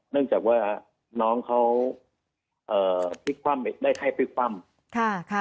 เนื่องจากว่าน้องเขาได้ไข้พลิกคว่ำ